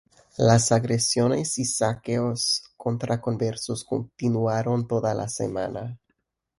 Las agresiones y saqueos contra conversos continuaron toda la semana.